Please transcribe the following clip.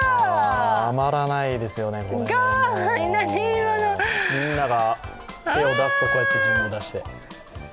たまらないですよね、これもうみんなが手を出すと、こうやって自分も出して。